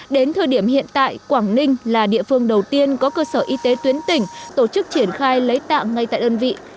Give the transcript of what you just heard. đến thời điểm hiện tại quảng ninh là địa phương đầu tiên có cơ sở y tế tuyến tỉnh tổ chức triển khai lấy tạng ngay tại đơn vị